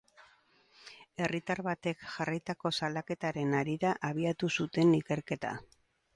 Herritar batek jarritako salaketaren harira abiatu zuten ikerketa.